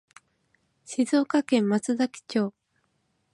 静岡県松崎町